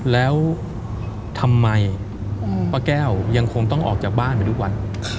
แล้วทำไมป้าแก้วยังคงต้องออกจากบ้านไปทุกวัน